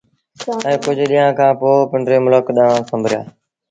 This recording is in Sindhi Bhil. ائيٚݩ ڪجھ ڏيݩهآݩ کآݩ پو پنڊري ملڪ ڏآݩهݩ سنبريآ